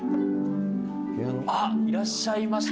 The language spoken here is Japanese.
あっ、いらっしゃいました。